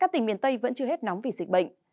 các tỉnh miền tây vẫn chưa hết nóng vì dịch bệnh